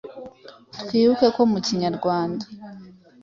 Twibuke ko mu Kinyarwanda